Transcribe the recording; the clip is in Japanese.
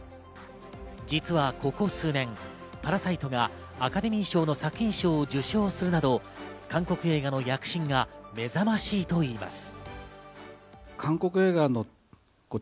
実はここ数年、『パラサイト』がアカデミー賞の作品賞を受賞するなど、韓国映画の躍進が目覚しいといいます。